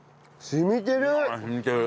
染みてる。